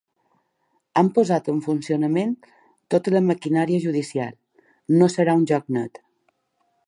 Han posat en funcionament tota la maquinària judicial, no serà un joc net.